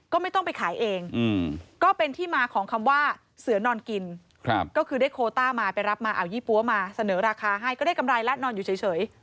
ก็ไม่ต้องไปขายเองก็เป็นที่มาของคำว่าเสือนอนกินก็คือได้โคต้ามาไปรับมาเอายี่ปั๊วมาเสนอราคาให้ก็ได้กำไรแล้วนอนอยู่เฉย